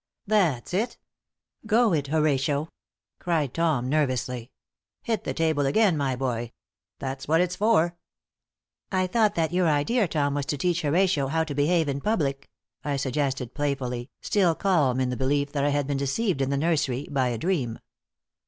"That's it! Go it, Horatio!" cried Tom, nervously. "Hit the table again, my boy. That's what it's for." "I thought that your idea, Tom, was to teach Horatio how to behave in public," I suggested, playfully, still calm in the belief that I had been deceived in the nursery by a dream.